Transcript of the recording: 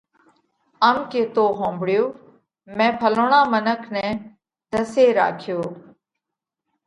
ام ڪيتو ۿومڀۯيو: ”مئين ڦلوڻا منک نئہ ڌسي راکيو